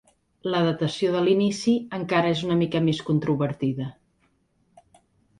La datació de l'inici encara és una mica més controvertida.